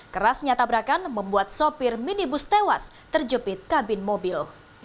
kerasnya tabrakan membuat sopir minibus tewas terjepit kabin mobil